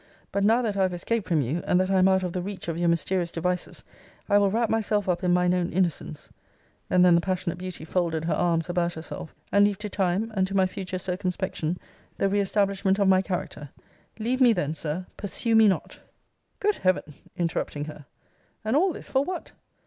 But now that I have escaped from you, and that I am out of the reach of your mysterious devices, I will wrap myself up in mine own innocence, [and then the passionate beauty folded her arms about herself,] and leave to time, and to my future circumspection, the re establishment of my character. Leave me then, Sir, pursue me not! Good Heaven! [interrupting her] and all this, for what?